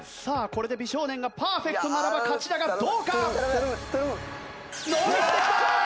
さあこれで美少年がパーフェクトならば勝ちだがどうか？